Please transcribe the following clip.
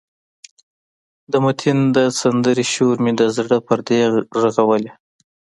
د متین د سندرې شور مې د زړه پردې غږولې.